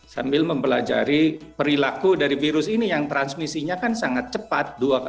sambil mempelajari perilaku dari virus ini yang transmisinya kan sangat cepat